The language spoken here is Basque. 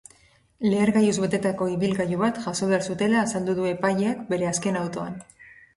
Lehergailuz betetako ibilgailu bat jaso behar zutela azaldu du epaileak bere azken autoan.